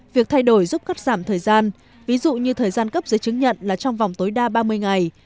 việc thay đổi giúp cắt giảm thời gian ví dụ như thời gian cấp giấy chứng nhận là trong vòng tối đa ba mươi ngày